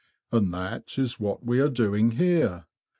And that is what we are doing here.